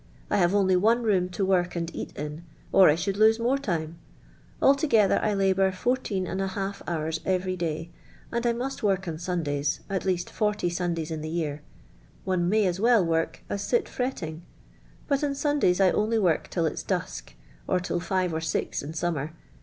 I have only one ro«)m to woik and csti in. or I should lose nuire time. Altogether I labour 14] hours every diy, and I mujit work on Sunday.*! — at le;i.«»t "JO Sund.iys in the year. One may as well worK us Hit trettin;;. Jiut on Sundays I only WDik till It's dusk, or till live or six in summer.